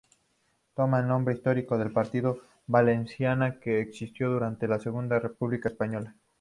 Toma el nombre del histórico partido valencianista que existió durante la Segunda República Española.